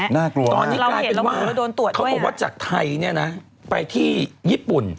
ตอนนี้กลายเป็นว่าเขาก็บอกว่าจากไทยไปที่ญี่ปุ่น